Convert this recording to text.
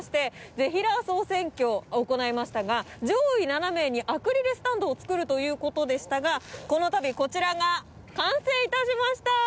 ぜひらー総選挙行いましたが上位７名にアクリルスタンドを作るということでしたがこのたびこちらが完成いたしました。